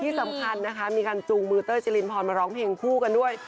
ที่สำคัญนะคะมีการจูงมือเต้ยจรินพรมาร้องเพลงคู่กันด้วย